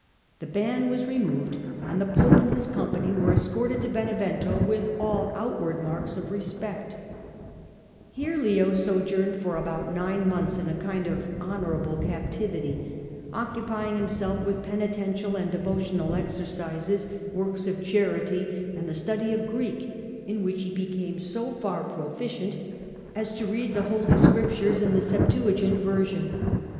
The ban was removed, and the pope and his company were escorted to Benevento with all outward marks of respect. Digitized by (ftftOgle 36 HlLDBBRAND Here Leo sojourned for about nine months in a kind of honourable captivity, occupying himself with penitential and devotional exercises, works of charity, and the study of Greek, in which he became so far proficient as to read the Holy Scriptures in the Septuagint version.